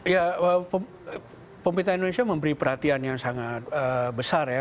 ya pemerintah indonesia memberi perhatian yang sangat besar ya